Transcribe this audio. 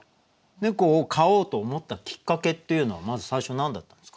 猫を飼おうと思ったきっかけっていうのはまず最初何だったんですか？